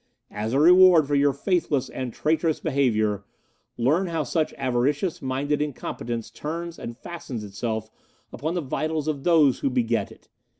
"As a reward for your faithless and traitorous behaviour, learn how such avaricious minded incompetence turns and fastens itself upon the vitals of those who beget it.